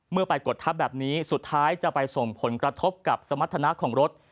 เมื่อไปกดทับแบบนี้สุดท้ายจะไปส่งผลกระทบกับสมรรถนะของรถ